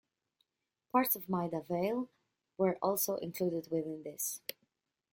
Parts of Maida Vale were also included within this.